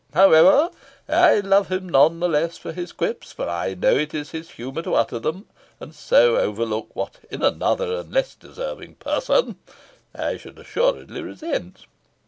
However, I love him none the less for his quips, for I know it is his humour to utter them, and so overlook what in another and less deserving person I should assuredly resent.